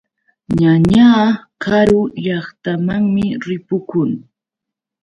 Ñañaa karu llaqtamanmi ripukun.